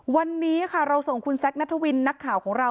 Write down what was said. วันนี้ค่ะเราส่งคุณแซคนัทวินนักข่าวของเรา